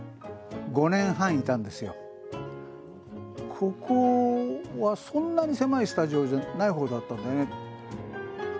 ここはそんなに狭いスタジオじゃないほうだったんだよね。